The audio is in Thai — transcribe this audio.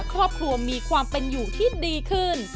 ครอบครัวมีความเป็นอยู่ที่ดีขึ้น